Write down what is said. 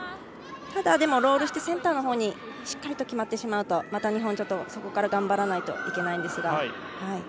ただロールしてセンターのほうにしっかりと決まってしまうと日本はそこから頑張らないといけないんですが。